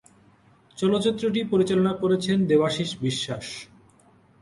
চলচ্চিত্রটি পরিচালনা করেছেন দেবাশীষ বিশ্বাস।